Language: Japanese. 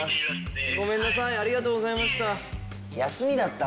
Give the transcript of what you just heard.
ごめんなさいありがとうございました。